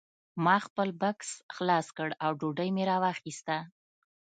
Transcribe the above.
ما خپل بکس خلاص کړ او ډوډۍ مې راواخیسته